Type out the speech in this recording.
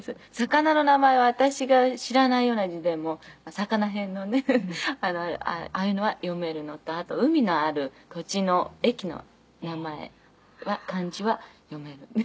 魚の名前は私が知らないような字でも魚偏のねああいうのは読めるのとあと海のある土地の駅の名前は漢字は読めるんです。